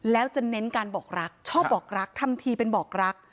แล้วจะเน้นการบอกรักชอบบอกรักทำทีเป็นบอกรัก